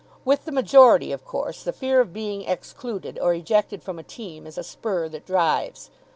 With the majority, of course, the fear of being excluded or ejected from a team is a spur that drives.